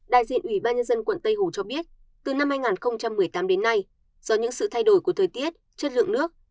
đại diện ủy ban nhân dân quận tây hồ cho biết từ năm hai nghìn một mươi tám đến nay do những sự thay đổi của thời tiết chất lượng nước